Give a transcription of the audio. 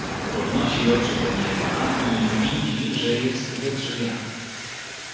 "Podnosi oczy do nieba i widzi, że jest we drzwiach."